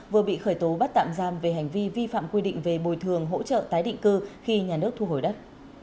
vừa bị khởi tố bắt tạm giam về hành vi vi phạm quy định về bồi thường hỗ trợ tái định cư khi nhà nước thu hồi đất